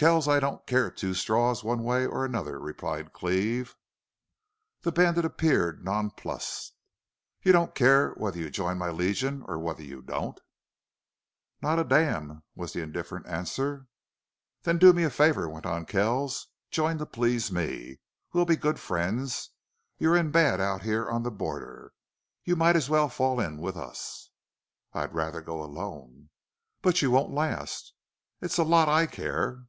"Kells, I don't care two straws one way or another," replied Cleve. The bandit appeared nonplussed. "You don't care whether you join my Legion or whether you don't?" "Not a damn," was the indifferent answer. "Then do me a favor," went on Kells. "Join to please me. We'll be good friends. You're in bad out here on the border. You might as well fall in with us." "I'd rather go alone." "But you won't last." "It's a lot I care."